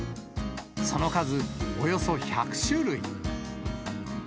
その数およそ１００種類。